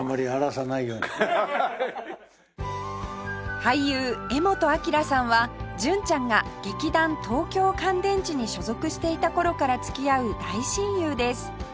俳優柄本明さんは純ちゃんが劇団東京乾電池に所属していた頃から付き合う大親友です